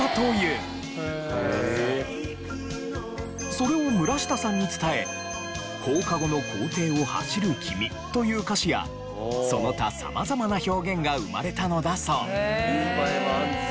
それを村下さんに伝え「放課後の校庭を走る君」という歌詞やその他様々な表現が生まれたのだそう。